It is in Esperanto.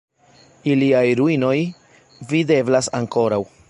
Iliaj ruinoj videblas ankoraŭ.